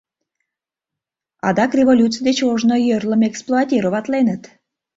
Адак революций деч ожно йорлым эксплуатироваеныт.